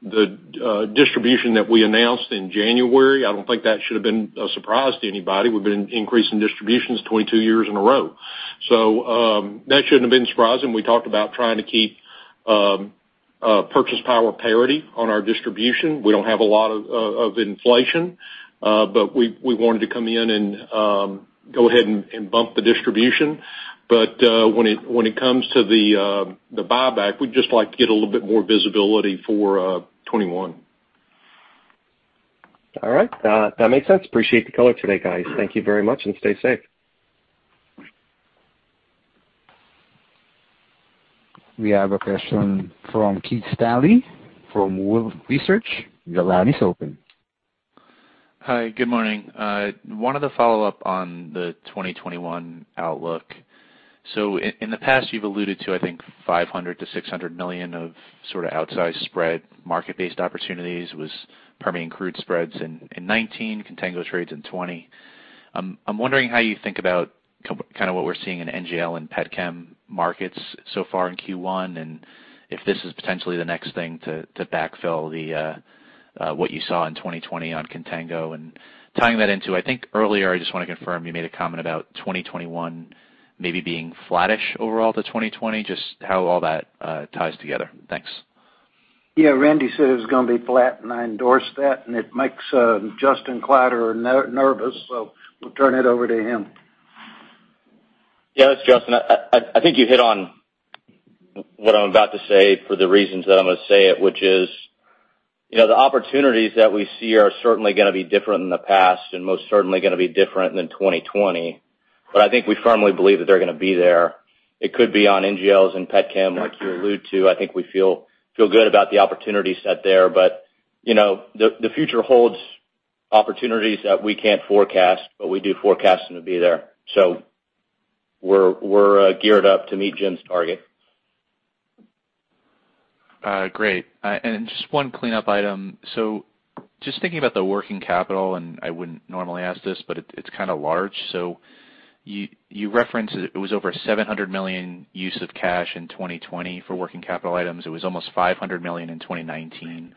The distribution that we announced in January, I don't think that should've been a surprise to anybody. We've been increasing distributions 22 years in a row. That shouldn't have been a surprise, and we talked about trying to keep purchase power parity on our distribution. We don't have a lot of inflation. We wanted to come in and go ahead and bump the distribution. When it comes to the buyback, we'd just like to get a little bit more visibility for 2021. All right. That makes sense. Appreciate the color today, guys. Thank you very much, and stay safe. We have a question from Keith Stanley from Wolfe Research. Your line is open. Hi, good morning. I wanted to follow up on the 2021 outlook. In the past, you've alluded to, I think, $500 million-$600 million of sort of outsized spread market-based opportunities was Permian crude spreads in 2019, contango trades in 2020. I'm wondering how you think about kind of what we're seeing in NGL and petchem markets so far in Q1, and if this is potentially the next thing to backfill what you saw in 2020 on contango. Tying that into, I think earlier, I just want to confirm, you made a comment about 2021 maybe being flattish overall to 2020, just how all that ties together. Thanks. Randy said it was going to be flat, and I endorse that. It makes Justin Kleiderer nervous, so we'll turn it over to him. This is Justin. I think you hit on what I'm about to say for the reasons that I'm going to say it, which is the opportunities that we see are certainly going to be different than the past and most certainly going to be different than 2020. I think we firmly believe that they're going to be there. It could be on NGLs and petchem, like you allude to. I think we feel good about the opportunity set there. The future holds opportunities that we can't forecast, but we do forecast them to be there. We're geared up to meet Jim's target. Great. Just one cleanup item. Just thinking about the working capital, I wouldn't normally ask this, but it's kind of large. You referenced it was over $700 million use of cash in 2020 for working capital items. It was almost $500 million in 2019.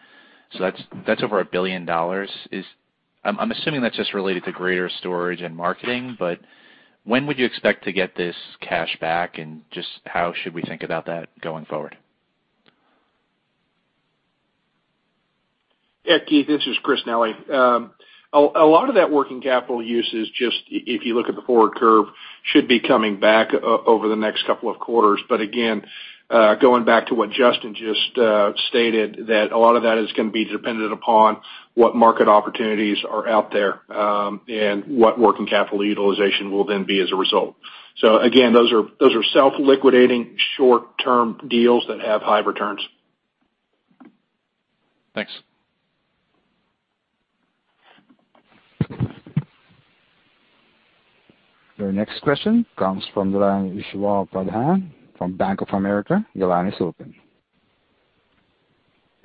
That's over $1 billion. I'm assuming that's just related to greater storage and marketing, but when would you expect to get this cash back, and just how should we think about that going forward? Keith, this is Chris Nelly. A lot of that working capital use is just, if you look at the forward curve, should be coming back over the next couple of quarters. Again, going back to what Justin just stated, that a lot of that is going to be dependent upon what market opportunities are out there, and what working capital utilization will then be as a result. Again, those are self-liquidating short-term deals that have high returns. Thanks. Your next question comes from Ujjwal Pradhan from Bank of America. Your line is open.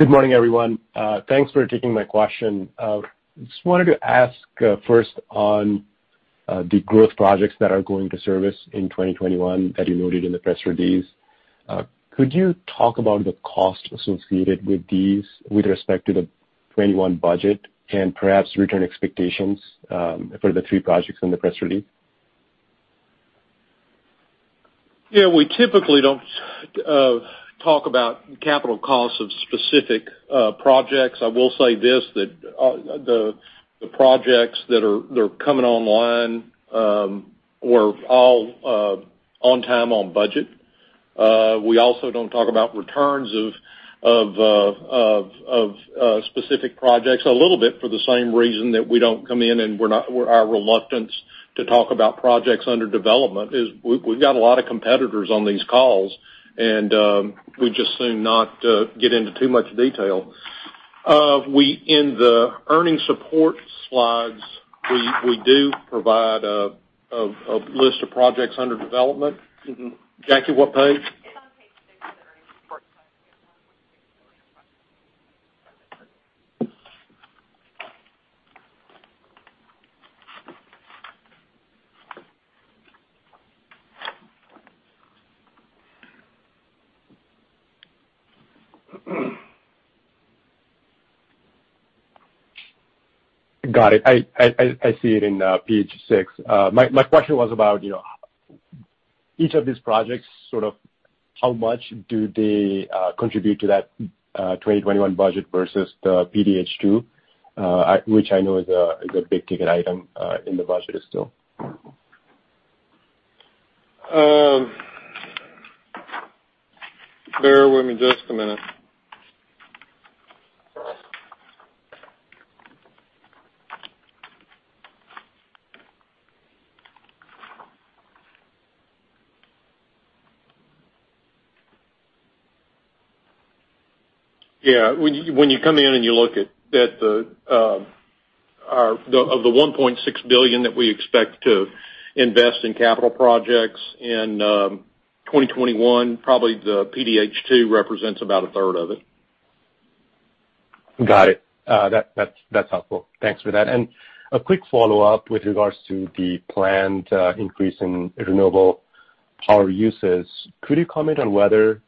Good morning, everyone. Thanks for taking my question. Just wanted to ask first on the growth projects that are going to service in 2021 that you noted in the press release. Could you talk about the cost associated with these with respect to the 2021 budget and perhaps return expectations for the three projects in the press release? We typically don't talk about capital costs of specific projects. I will say this, that the projects that are coming online were all on time, on budget. We also don't talk about returns of specific projects a little bit for the same reason that we don't come in, and our reluctance to talk about projects under development is we've got a lot of competitors on these calls, and we'd just as soon not get into too much detail. In the earnings support slides, we do provide a list of projects under development. Jackie, what page? It's on page six of the earnings support. Got it. I see it in page six. My question was about each of these projects, how much do they contribute to that 2021 budget versus the PDH 2? Which I know is a big-ticket item in the budget still. Bear with me just a minute. When you come in and you look at the $1.6 billion that we expect to invest in capital projects in 2021, probably the PDH 2 represents about a 1/3 of it. Got it. That's helpful. Thanks for that. A quick follow-up with regards to the planned increase in renewable power uses. Could you comment on whether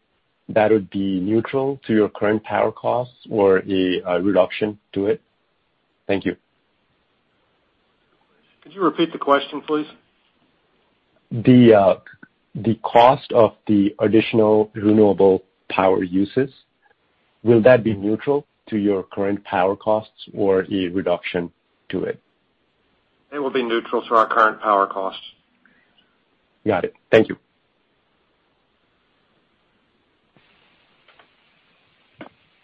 that would be neutral to your current power costs or a reduction to it? Thank you. Could you repeat the question, please? The cost of the additional renewable power uses, will that be neutral to your current power costs or a reduction to it? It will be neutral to our current power costs. Got it. Thank you.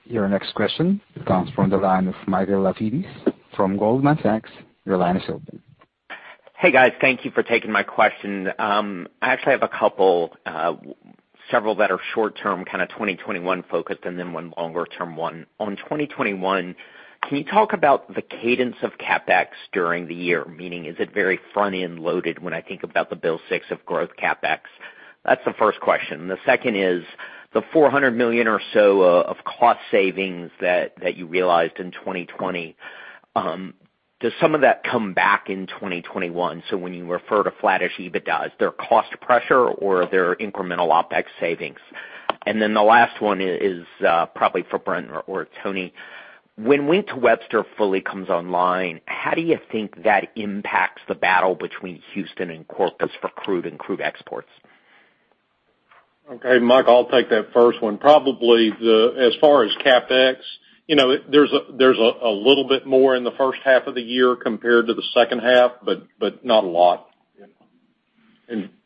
Your next question comes from the line of Michael Lapides from Goldman Sachs. Your line is open. Hey, guys. Thank you for taking my question. I actually have a couple, several that are short-term, kind of 2021-focused, and then one longer-term one. On 2021, can you talk about the cadence of CapEx during the year? Meaning, is it very front-end loaded when I think about the [bill six] of growth CapEx? That's the first question. The second is, the $400 million or so of cost savings that you realized in 2020, does some of that come back in 2021? When you refer to flattish EBITDA, is there cost pressure or are there incremental OpEx savings? The last one is probably for Brent or Tony. When Wink-to-Webster fully comes online, how do you think that impacts the battle between Houston and Corpus for crude and crude exports? Mike, I'll take that first one. Probably, as far as CapEx, there's a little bit more in the first half of the year compared to the second half, but not a lot.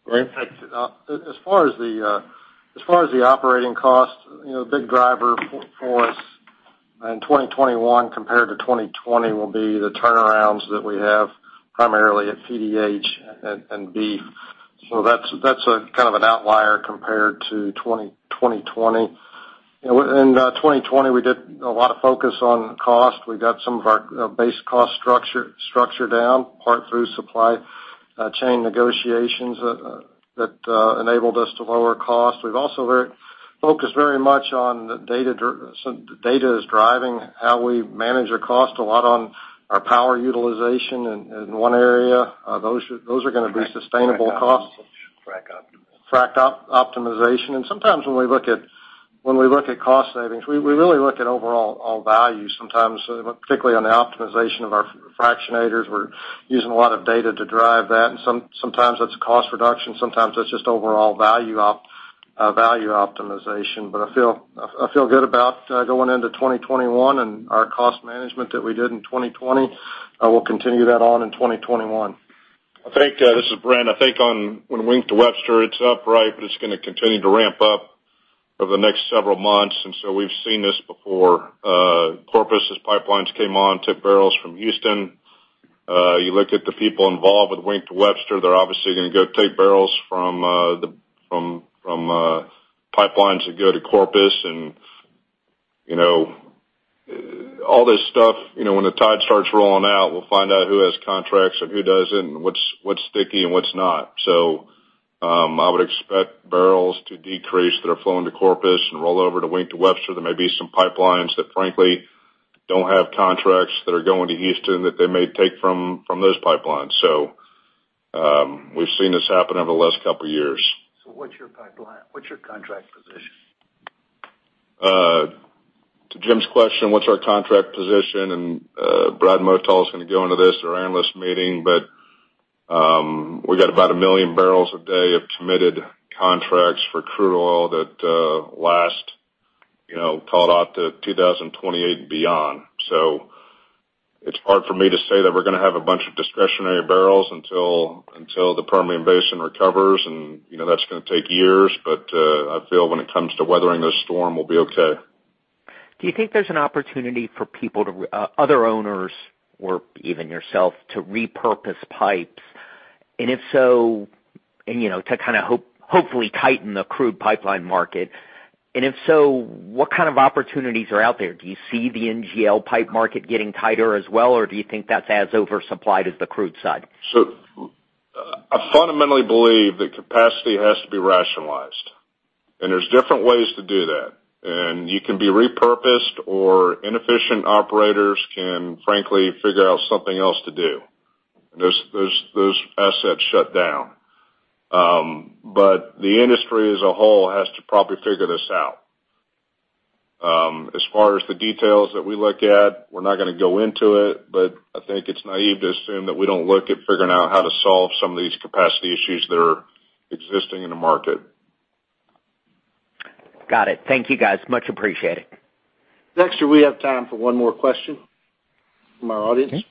Brent? As far as the operating cost, a big driver for us in 2021 compared to 2020 will be the turnarounds that we have primarily at PDH and [iBDH]. That's kind of an outlier compared to 2020. In 2020, we did a lot of focus on cost. We got some of our base cost structure down, part through supply chain negotiations that enabled us to lower cost. We've also focused very much on data. Data is driving how we manage our cost a lot on our power utilization in one area. Those are going to be sustainable costs. Frac optimization. Frac optimization. Sometimes when we look at cost savings, we really look at overall value. Sometimes, particularly on the optimization of our fractionators, we're using a lot of data to drive that, and sometimes that's cost reduction, sometimes that's just overall value optimization. I feel good about going into 2021 and our cost management that we did in 2020. We'll continue that on in 2021. This is Brent. I think when Wink-to-Webster is up, it's going to continue to ramp up over the next several months. We've seen this before. Corpus' pipelines came on, took barrels from Houston. You look at the people involved with Wink-to-Webster, they're obviously going to go take barrels from pipelines that go to Corpus. All this stuff, when the tide starts rolling out, we'll find out who has contracts and who doesn't, and what's sticky and what's not. I would expect barrels to decrease that are flowing to Corpus and roll over to Wink-to-Webster. There may be some pipelines that frankly don't have contracts that are going to Houston that they may take from those pipelines. We've seen this happen over the last couple of years. What's your pipeline? What's your contract position? To Jim's question, what's our contract position. Brad Motal is going to go into this at our analyst meeting. We got about 1 million bbl a day of committed contracts for crude oil that'll last till out to 2028 and beyond. It's hard for me to say that we're going to have a bunch of discretionary barrels until the Permian Basin recovers and that's going to take years. I feel when it comes to weathering this storm, we'll be okay. Do you think there's an opportunity for other owners or even yourself to repurpose pipes to kind of hopefully tighten the crude pipeline market? If so, what kind of opportunities are out there? Do you see the NGL pipe market getting tighter as well, or do you think that's as oversupplied as the crude side? I fundamentally believe that capacity has to be rationalized. There's different ways to do that. You can be repurposed or inefficient operators can frankly figure out something else to do. Those assets shut down. The industry as a whole has to probably figure this out. As far as the details that we look at, we're not going to go into it, but I think it's naive to assume that we don't look at figuring out how to solve some of these capacity issues that are existing in the market. Got it. Thank you, guys. Much appreciated. Dexter, we have time for one more question from our audience.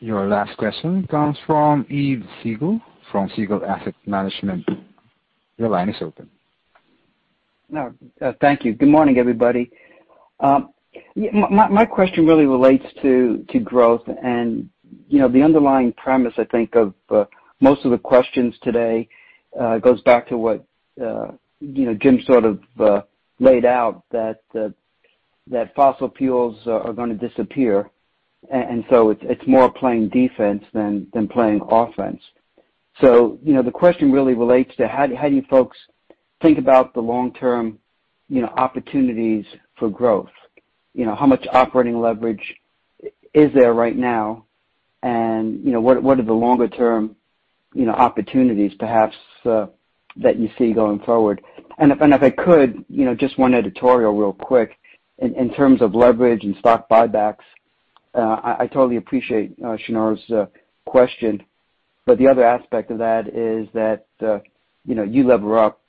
Your last question comes from Yves Siegel from Siegel Asset Management. Your line is open. Thank you. Good morning, everybody. My question really relates to growth. The underlying premise, I think, of most of the questions today goes back to what Jim sort of laid out, that fossil fuels are going to disappear. It's more playing defense than playing offense. The question really relates to how do you folks think about the long-term opportunities for growth? How much operating leverage is there right now? What are the longer-term opportunities, perhaps, that you see going forward? If I could, just one editorial real quick. In terms of leverage and stock buybacks, I totally appreciate Shneur's question. The other aspect of that is that you lever up,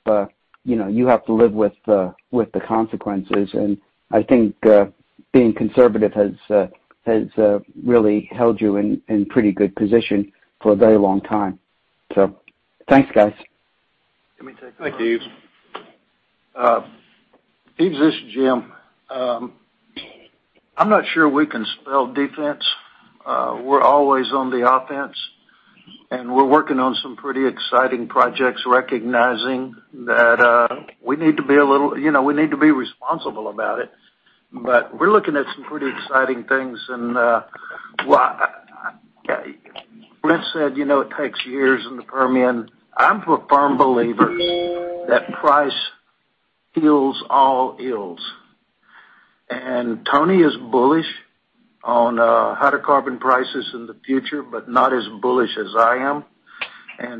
you have to live with the consequences. I think being conservative has really held you in pretty good position for a very long time. Thanks, guys. Let me take that. Hi, Yves. This is Jim. I'm not sure we can spell defense. We're always on the offense, and we're working on some pretty exciting projects, recognizing that we need to be responsible about it. We're looking at some pretty exciting things, and [Cliff] said it takes years in the Permian. I'm a firm believer that price heals all ills. Tony is bullish on hydrocarbon prices in the future, but not as bullish as I am.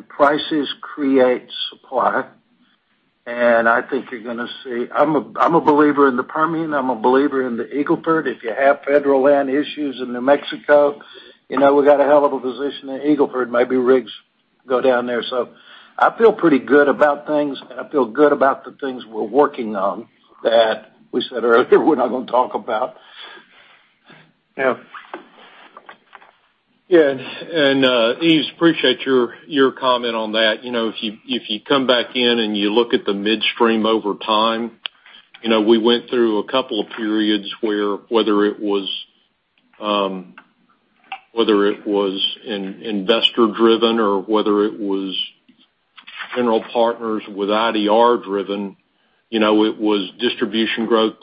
Prices create supply, and I think you're going to see—I'm a believer in the Permian. I'm a believer in the Eagle Ford. If you have federal land issues in New Mexico, we've got a hell of a position in Eagle Ford. Maybe rigs go down there. I feel pretty good about things, and I feel good about the things we're working on that we said earlier we're not going to talk about. Yves, appreciate your comment on that. If you come back in and you look at the midstream over time, we went through a couple of periods where whether it was investor-driven or whether it was general partners with IDR-driven, it was distribution growth.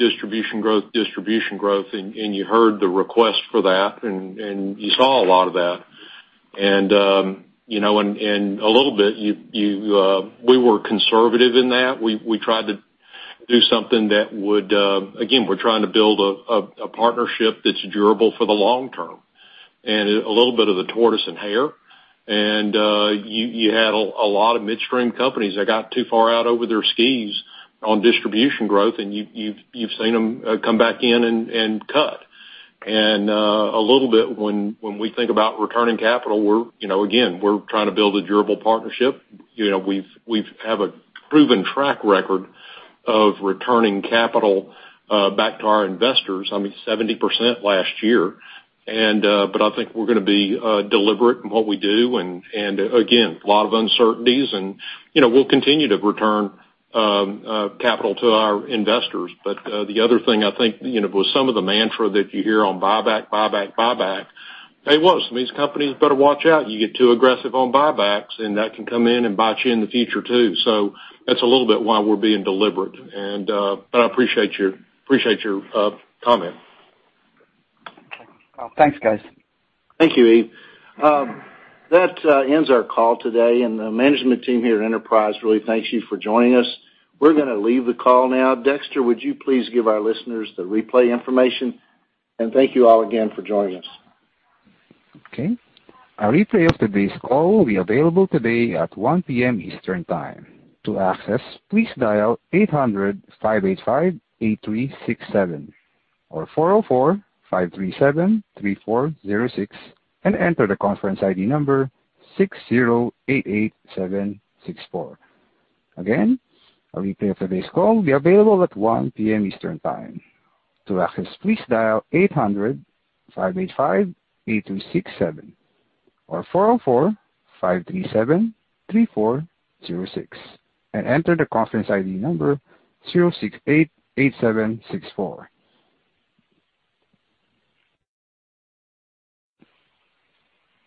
You heard the request for that, and you saw a lot of that. A little bit, we were conservative in that. We tried to do something that would—Again we're trying to build a partnership that's durable for the long term and a little bit of the tortoise and hare. You had a lot of midstream companies that got too far out over their skis on distribution growth, and you've seen them come back in and cut. A little bit when we think about returning capital, again, we're trying to build a durable partnership. We have a proven track record of returning capital back to our investors, I mean, 70% last year. I think we're going to be deliberate in what we do, and again, a lot of uncertainties, and we'll continue to return capital to our investors. The other thing, I think, with some of the mantra that you hear on buyback, hey, look, some of these companies better watch out. You get too aggressive on buybacks, and that can come in and bite you in the future, too. That's a little bit why we're being deliberate, but I appreciate your comment. Well, thanks, guys. Thank you, Yves. That ends our call today. The management team here at Enterprise really thanks you for joining us. We're going to leave the call now. Dexter, would you please give our listeners the replay information? Thank you all again for joining us. A replay of today's call will be available today at 1:00 P.M. Eastern Time. To access, please dial 800-585-8367 or 404-537-3406 and enter the conference ID number 6088764. Again, a replay of today's call will be available at 1:00 P.M. Eastern Time. To access, please dial 800-585-8367 or 404-537-3406 and enter the conference ID number 0688764.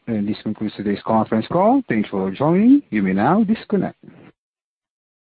And this concludes today's conference call. Thanks for joining. You may now disconnect.